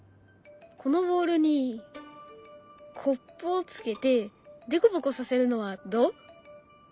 このボールにコップをつけてでこぼこさせるのはどう？